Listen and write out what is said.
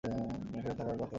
এখানেই থাকার কথা।